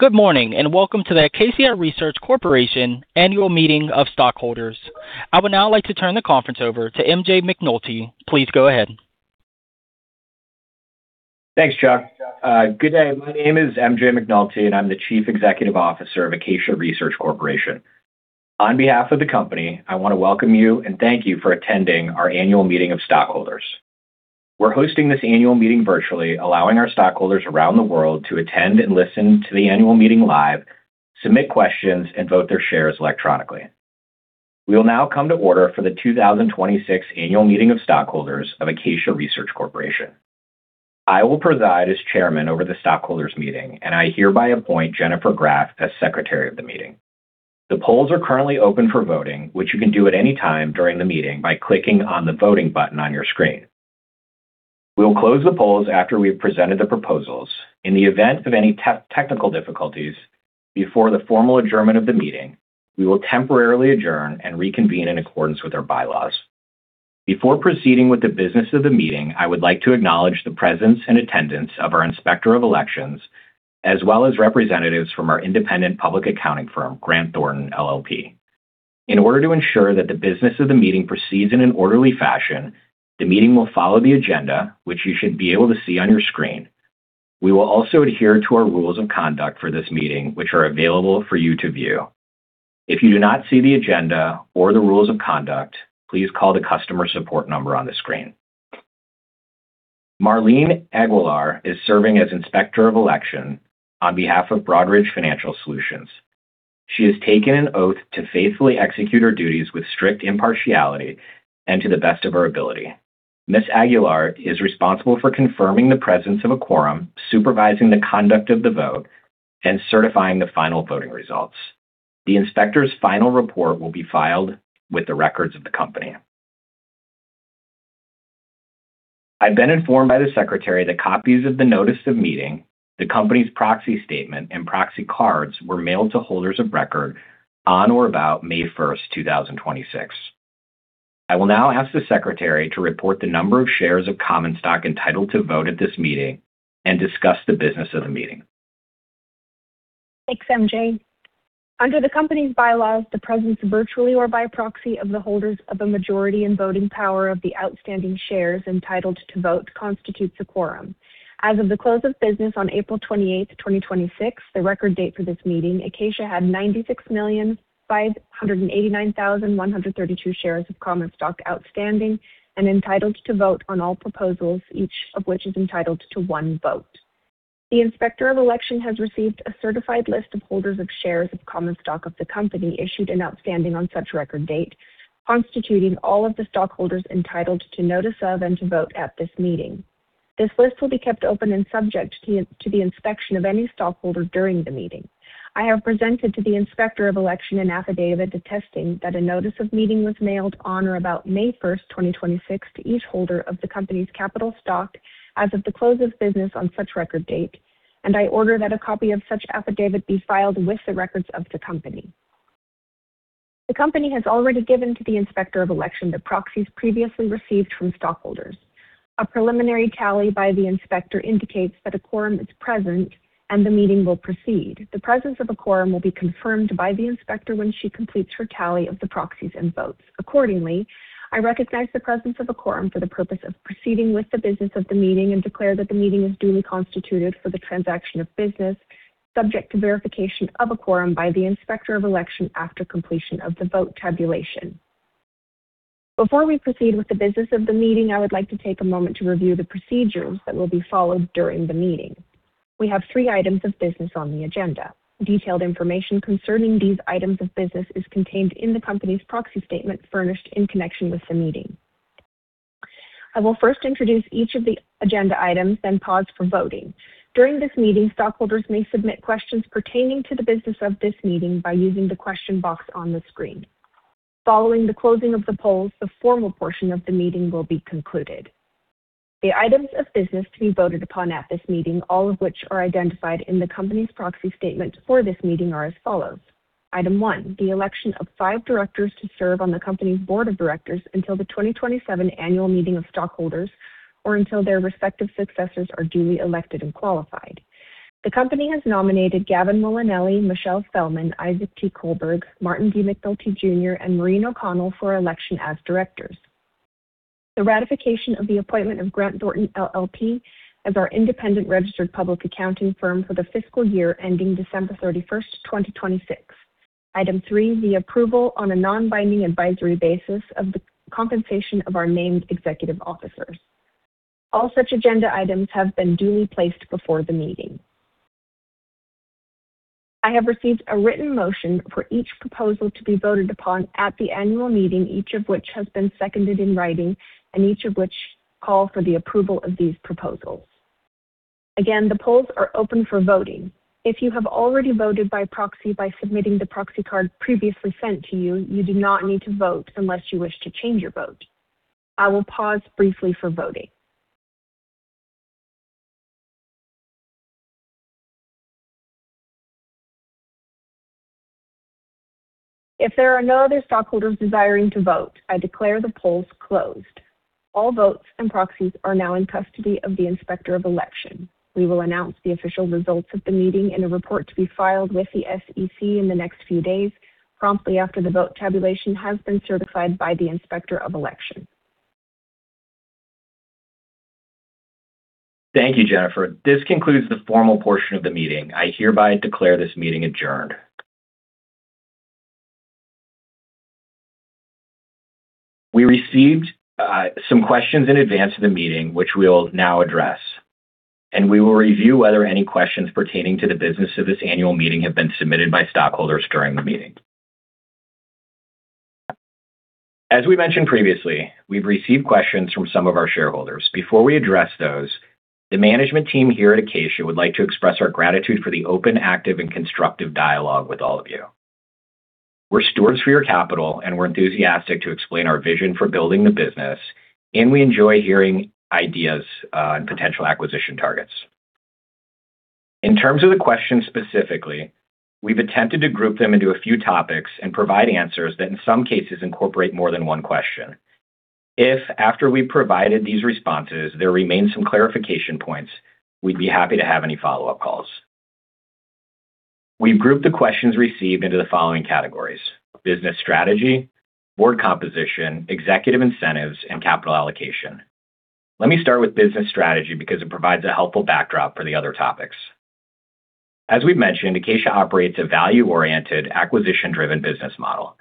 Good morning, welcome to the Acacia Research Corporation Annual Meeting of Stockholders. I would now like to turn the conference over to MJ McNulty. Please go ahead. Thanks, Chuck. Good day. My name is MJ McNulty, I'm the Chief Executive Officer of Acacia Research Corporation. On behalf of the company, I want to welcome you, thank you for attending our annual meeting of stockholders. We're hosting this annual meeting virtually, allowing our stockholders around the world to attend, listen to the annual meeting live, submit questions, vote their shares electronically. We will now come to order for the 2026 annual meeting of stockholders of Acacia Research Corporation. I will preside as chairman over the stockholders' meeting, I hereby appoint Jennifer Graff as secretary of the meeting. The polls are currently open for voting, which you can do at any time during the meeting by clicking on the Voting button on your screen. We will close the polls after we have presented the proposals. In the event of any technical difficulties before the formal adjournment of the meeting, we will temporarily adjourn, reconvene in accordance with our bylaws. Before proceeding with the business of the meeting, I would like to acknowledge the presence and attendance of our Inspector of Elections, as well as representatives from our independent public accounting firm, Grant Thornton LLP. In order to ensure that the business of the meeting proceeds in an orderly fashion, the meeting will follow the agenda, which you should be able to see on your screen. We will also adhere to our rules of conduct for this meeting, which are available for you to view. If you do not see the agenda or the rules of conduct, please call the customer support number on the screen. Marlene Aguilar is serving as Inspector of Election on behalf of Broadridge Financial Solutions. She has taken an oath to faithfully execute her duties with strict impartiality, to the best of her ability. Ms. Aguilar is responsible for confirming the presence of a quorum, supervising the conduct of the vote, certifying the final voting results. The inspector's final report will be filed with the records of the company. I've been informed by the secretary that copies of the notice of meeting, the company's proxy statement, proxy cards were mailed to holders of record on or about May 1st, 2026. I will now ask the secretary to report the number of shares of common stock entitled to vote at this meeting, discuss the business of the meeting. Thanks, MJ. Under the company's bylaws, the presence virtually or by proxy of the holders of a majority in voting power of the outstanding shares entitled to vote constitutes a quorum. As of the close of business on April 28th, 2026, the record date for this meeting, Acacia had 96,589,132 shares of common stock outstanding and entitled to vote on all proposals, each of which is entitled to one vote. The Inspector of Election has received a certified list of holders of shares of common stock of the company issued and outstanding on such record date, constituting all of the stockholders entitled to notice of and to vote at this meeting. This list will be kept open and subject to the inspection of any stockholder during the meeting. I have presented to the Inspector of Election an affidavit attesting that a notice of meeting was mailed on or about May 1st, 2026, to each holder of the company's capital stock as of the close of business on such record date. I order that a copy of such affidavit be filed with the records of the company. The company has already given to the Inspector of Election the proxies previously received from stockholders. A preliminary tally by the inspector indicates that a quorum is present and the meeting will proceed. The presence of a quorum will be confirmed by the inspector when she completes her tally of the proxies and votes. Accordingly, I recognize the presence of a quorum for the purpose of proceeding with the business of the meeting and declare that the meeting is duly constituted for the transaction of business subject to verification of a quorum by the Inspector of Election after completion of the vote tabulation. Before we proceed with the business of the meeting, I would like to take a moment to review the procedures that will be followed during the meeting. We have three items of business on the agenda. Detailed information concerning these items of business is contained in the company's proxy statement furnished in connection with the meeting. I will first introduce each of the agenda items, then pause for voting. During this meeting, stockholders may submit questions pertaining to the business of this meeting by using the question box on the screen. Following the closing of the polls, the formal portion of the meeting will be concluded. The items of business to be voted upon at this meeting, all of which are identified in the company's proxy statement for this meeting, are as follows. Item one, the election of five directors to serve on the company's board of directors until the 2027 annual meeting of stockholders or until their respective successors are duly elected and qualified. The company has nominated Gavin Molinelli, Michelle Felman, Isaac T. Kohlberg, Martin D. McNulty Jr., and Maureen O'Connell for election as directors. The ratification of the appointment of Grant Thornton LLP as our independent registered public accounting firm for the fiscal year ending December 31st, 2026. Item three, the approval on a non-binding advisory basis of the compensation of our named executive officers. All such agenda items have been duly placed before the meeting. I have received a written motion for each proposal to be voted upon at the annual meeting, each of which has been seconded in writing, and each of which call for the approval of these proposals. Again, the polls are open for voting. If you have already voted by proxy by submitting the proxy card previously sent to you do not need to vote unless you wish to change your vote. I will pause briefly for voting. If there are no other stockholders desiring to vote, I declare the polls closed. All votes and proxies are now in custody of the Inspector of Election. We will announce the official results of the meeting in a report to be filed with the SEC in the next few days promptly after the vote tabulation has been certified by the Inspector of Election. Thank you, Jennifer. This concludes the formal portion of the meeting. I hereby declare this meeting adjourned. We received some questions in advance of the meeting, which we'll now address. We will review whether any questions pertaining to the business of this annual meeting have been submitted by stockholders during the meeting. As we mentioned previously, we've received questions from some of our shareholders. Before we address those, the management team here at Acacia would like to express our gratitude for the open, active, and constructive dialogue with all of you. We're stewards for your capital, and we're enthusiastic to explain our vision for building the business, and we enjoy hearing ideas on potential acquisition targets. In terms of the questions specifically, we've attempted to group them into a few topics and provide answers that, in some cases, incorporate more than one question. If, after we've provided these responses, there remains some clarification points, we'd be happy to have any follow-up calls. We've grouped the questions received into the following categories: business strategy, board composition, executive incentives, and capital allocation. Let me start with business strategy because it provides a helpful backdrop for the other topics. As we've mentioned, Acacia operates a value-oriented, acquisition-driven business model.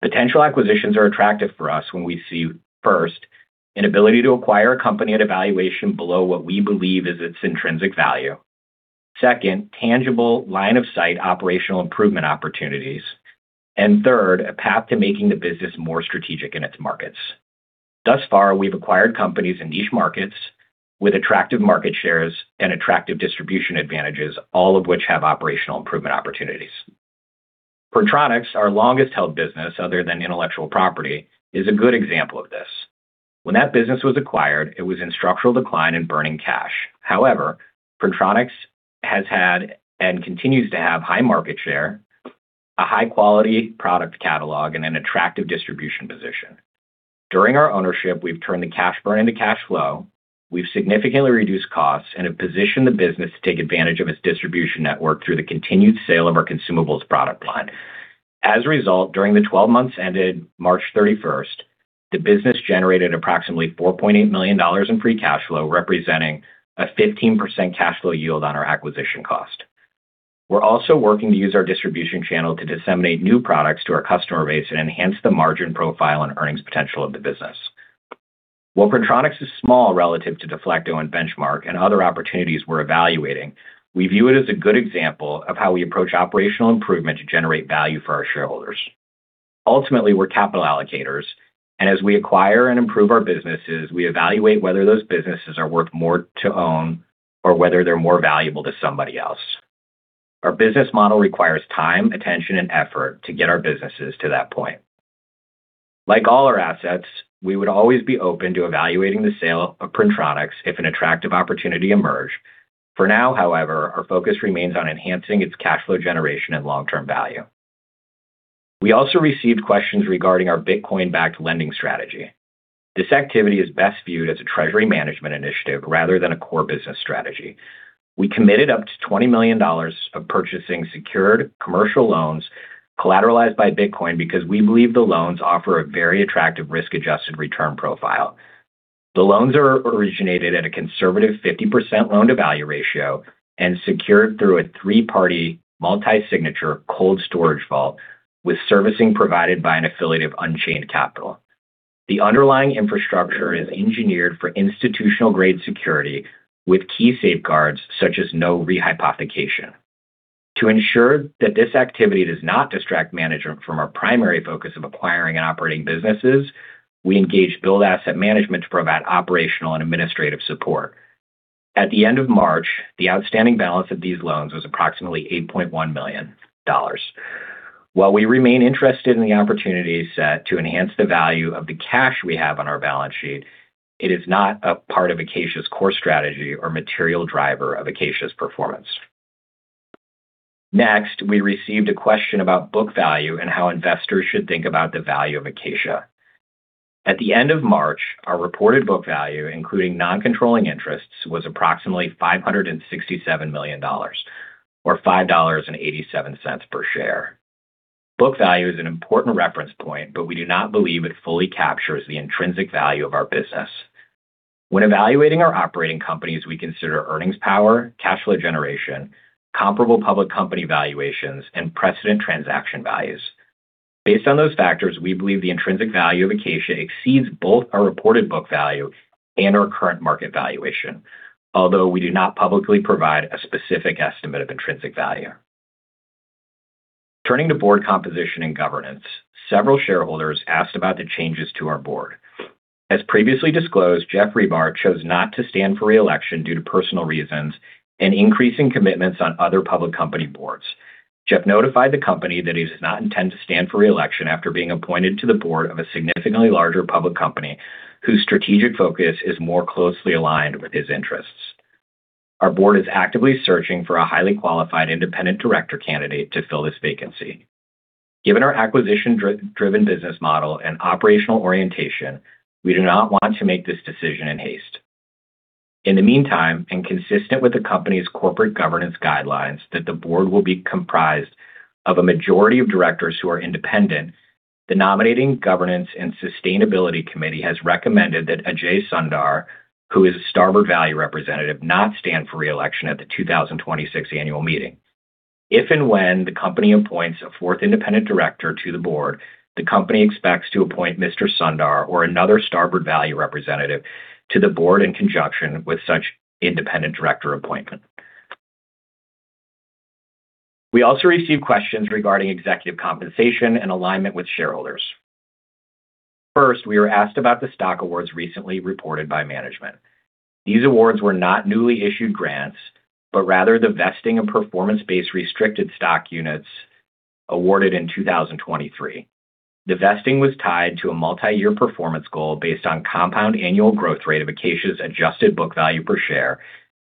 Potential acquisitions are attractive for us when we see, first, an ability to acquire a company at a valuation below what we believe is its intrinsic value. Second, tangible line of sight operational improvement opportunities. Third, a path to making the business more strategic in its markets. Thus far, we've acquired companies in niche markets with attractive market shares and attractive distribution advantages, all of which have operational improvement opportunities. Printronix, our longest-held business other than intellectual property, is a good example of this. When that business was acquired, it was in structural decline and burning cash. However, Printronix has had and continues to have high market share, a high-quality product catalog, and an attractive distribution position. During our ownership, we've turned the cash burn into cash flow, we've significantly reduced costs, and have positioned the business to take advantage of its distribution network through the continued sale of our consumables product line. As a result, during the 12 months ended March 31st, the business generated approximately $4.8 million in free cash flow, representing a 15% cash flow yield on our acquisition cost. We're also working to use our distribution channel to disseminate new products to our customer base and enhance the margin profile and earnings potential of the business. While Printronix is small relative to Deflecto and Benchmark and other opportunities we're evaluating, we view it as a good example of how we approach operational improvement to generate value for our shareholders. Ultimately, we're capital allocators, and as we acquire and improve our businesses, we evaluate whether those businesses are worth more to own or whether they're more valuable to somebody else. Our business model requires time, attention, and effort to get our businesses to that point. Like all our assets, we would always be open to evaluating the sale of Printronix if an attractive opportunity emerged. For now, however, our focus remains on enhancing its cash flow generation and long-term value. We also received questions regarding our Bitcoin-backed lending strategy. This activity is best viewed as a treasury management initiative rather than a core business strategy. We committed up to $20 million of purchasing secured commercial loans collateralized by Bitcoin because we believe the loans offer a very attractive risk-adjusted return profile. The loans are originated at a conservative 50% loan-to-value ratio and secured through a three-party multi-signature cold storage vault with servicing provided by an affiliate of Unchained Capital. The underlying infrastructure is engineered for institutional-grade security with key safeguards such as no rehypothecation. To ensure that this activity does not distract management from our primary focus of acquiring and operating businesses, we engaged Build Asset Management to provide operational and administrative support. At the end of March, the outstanding balance of these loans was approximately $8.1 million. While we remain interested in the opportunity set to enhance the value of the cash we have on our balance sheet, it is not a part of Acacia's core strategy or material driver of Acacia's performance. Next, we received a question about book value and how investors should think about the value of Acacia. At the end of March, our reported book value, including non-controlling interests, was approximately $567 million, or $5.87 per share. Book value is an important reference point, but we do not believe it fully captures the intrinsic value of our business. When evaluating our operating companies, we consider earnings power, cash flow generation, comparable public company valuations, and precedent transaction values. Based on those factors, we believe the intrinsic value of Acacia exceeds both our reported book value and our current market valuation. Although we do not publicly provide a specific estimate of intrinsic value. Turning to board composition and governance, several shareholders asked about the changes to our board. As previously disclosed, Jeff Ramin chose not to stand for re-election due to personal reasons and increasing commitments on other public company boards. Jeff notified the company that he does not intend to stand for re-election after being appointed to the board of a significantly larger public company whose strategic focus is more closely aligned with his interests. Our board is actively searching for a highly qualified independent director candidate to fill this vacancy. Given our acquisition-driven business model and operational orientation, we do not want to make this decision in haste. In the meantime, and consistent with the company's corporate governance guidelines, that the board will be comprised of a majority of directors who are independent. The Nominating, Governance, and Sustainability Committee has recommended that Ajay Sundar, who is a Starboard Value representative, not stand for re-election at the 2026 annual meeting. If and when the company appoints a fourth independent director to the board, the company expects to appoint Mr. Sundar or another Starboard Value representative to the board in conjunction with such independent director appointment. We also received questions regarding executive compensation and alignment with shareholders. First, we were asked about the stock awards recently reported by management. These awards were not newly issued grants, but rather the vesting of performance-based restricted stock units awarded in 2023. The vesting was tied to a multi-year performance goal based on compound annual growth rate of Acacia's adjusted book value per share,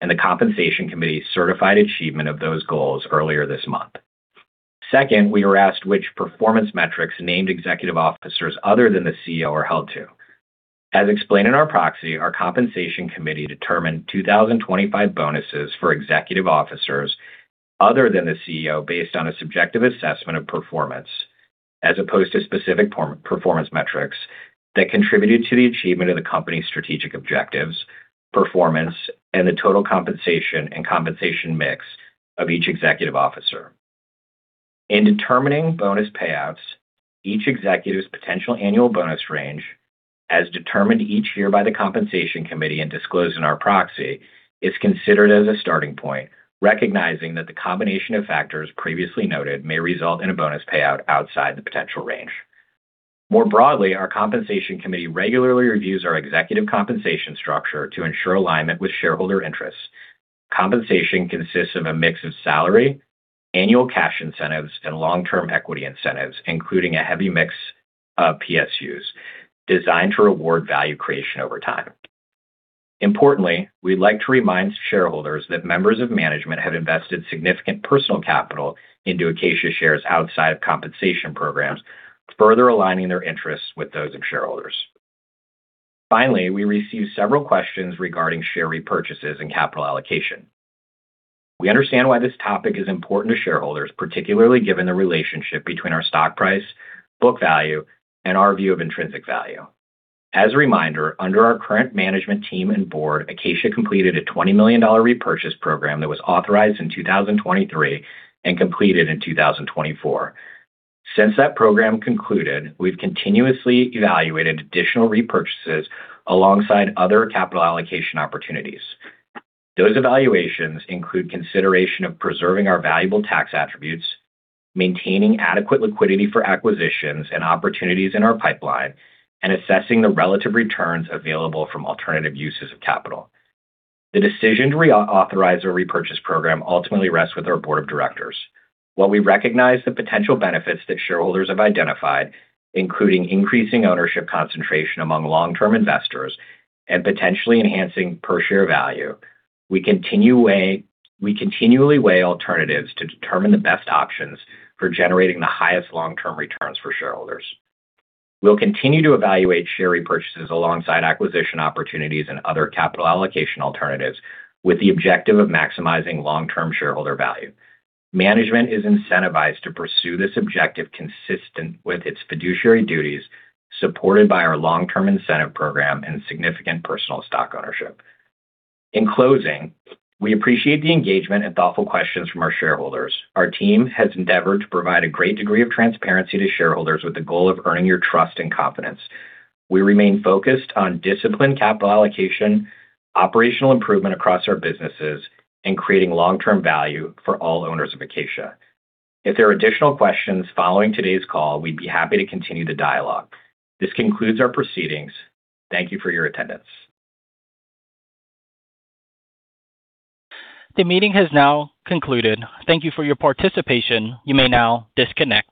and the Compensation Committee's certified achievement of those goals earlier this month. Second, we were asked which performance metrics named executive officers other than the CEO are held to. As explained in our proxy, our Compensation Committee determined 2025 bonuses for executive officers other than the CEO based on a subjective assessment of performance as opposed to specific performance metrics that contributed to the achievement of the company's strategic objectives, performance, and the total compensation and compensation mix of each executive officer. In determining bonus payouts, each executive's potential annual bonus range, as determined each year by the Compensation Committee and disclosed in our proxy, is considered as a starting point, recognizing that the combination of factors previously noted may result in a bonus payout outside the potential range. More broadly, our Compensation Committee regularly reviews our executive compensation structure to ensure alignment with shareholder interests. Compensation consists of a mix of salary, annual cash incentives, and long-term equity incentives, including a heavy mix of PSUs designed to reward value creation over time. Importantly, we'd like to remind shareholders that members of management have invested significant personal capital into Acacia shares outside of compensation programs, further aligning their interests with those of shareholders. Finally, we received several questions regarding share repurchases and capital allocation. We understand why this topic is important to shareholders, particularly given the relationship between our stock price, book value, and our view of intrinsic value. As a reminder, under our current management team and board, Acacia completed a $20 million repurchase program that was authorized in 2023 and completed in 2024. Since that program concluded, we've continuously evaluated additional repurchases alongside other capital allocation opportunities. Those evaluations include consideration of preserving our valuable tax attributes, maintaining adequate liquidity for acquisitions and opportunities in our pipeline, and assessing the relative returns available from alternative uses of capital. The decision to reauthorize a repurchase program ultimately rests with our board of directors. While we recognize the potential benefits that shareholders have identified, including increasing ownership concentration among long-term investors and potentially enhancing per-share value, we continually weigh alternatives to determine the best options for generating the highest long-term returns for shareholders. We'll continue to evaluate share repurchases alongside acquisition opportunities and other capital allocation alternatives with the objective of maximizing long-term shareholder value. Management is incentivized to pursue this objective consistent with its fiduciary duties, supported by our long-term incentive program and significant personal stock ownership. In closing, we appreciate the engagement and thoughtful questions from our shareholders. Our team has endeavored to provide a great degree of transparency to shareholders with the goal of earning your trust and confidence. We remain focused on disciplined capital allocation, operational improvement across our businesses, and creating long-term value for all owners of Acacia. If there are additional questions following today's call, we'd be happy to continue the dialogue. This concludes our proceedings. Thank you for your attendance. The meeting has now concluded. Thank you for your participation. You may now disconnect.